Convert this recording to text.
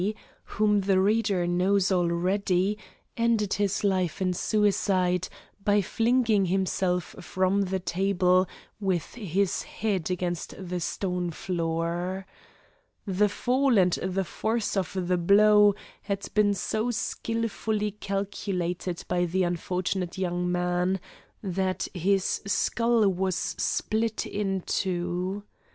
whom the reader knows already, ended his life in suicide by flinging himself from the table with his head against the stone floor. The fall and the force of the blow had been so skilfully calculated by the unfortunate young man that his skull was split in two.